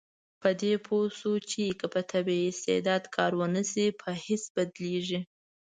په دې پوه شو چې که په طبیعي استعداد کار ونشي، په هېڅ بدلیږي.